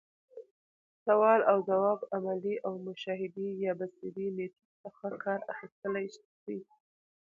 سوال اوځواب، عملي او مشاهدي يا بصري ميتود څخه کار اخستلاي سي.